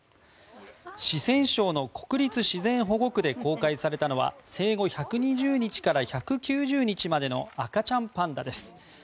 四川省の国立自然保護区で公開されたのは生後１２０日から１９０日までの赤ちゃんパンダです。